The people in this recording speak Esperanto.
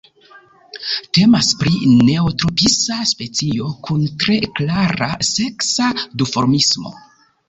Temas pri neotropisa specio kun tre klara seksa duformismo.